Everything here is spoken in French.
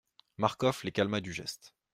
Marcof les calma du geste.